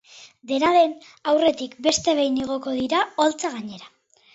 Dena den, aurretik, beste behin igoko dira oholtza gainera.